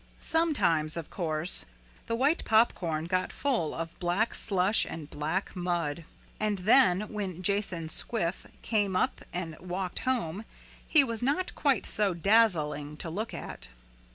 Sometimes, of course, the white popcorn got full of black slush and black mud. And then when Jason Squiff came up and walked home he was not quite so dazzling to look at.